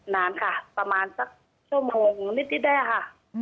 นานค่ะประมาณสักชั่วโมงนิดได้ค่ะ